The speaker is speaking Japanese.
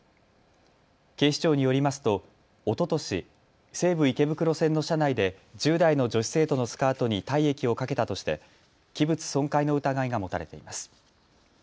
警視庁によりますとおととし西武池袋線の車内で１０代の女子生徒のスカートに体液をかけたとして器物損壊の疑いが持たれています。